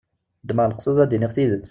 Ddmeɣ leqsed ad d-iniɣ tidet.